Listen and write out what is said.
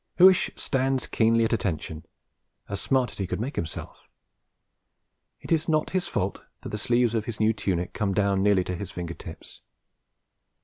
Huish stands keenly at attention, as smart as he could make himself; it is not his fault that the sleeves of his new tunic come down nearly to his finger tips.